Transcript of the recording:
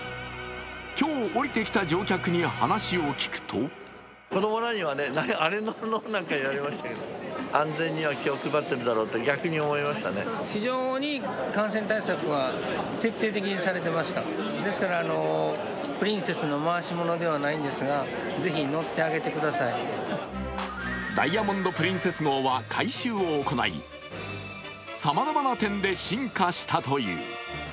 今日降りてきた乗客に話を聞くと「ダイヤモンド・プリンセス」号は改修を行い、さまざまな点で進化したという。